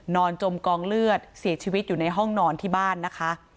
จมกองเลือดเสียชีวิตอยู่ในห้องนอนที่บ้านนะคะ